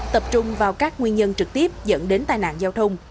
tập trung vào các nguyên nhân trực tiếp dẫn đến tai nạn giao thông